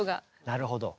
なるほど。